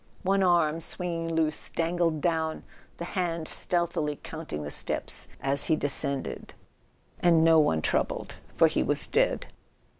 One arm, swinging loose, dangled down, the hand stealthily counting the steps as he descended —and no one troubled, for he was dead.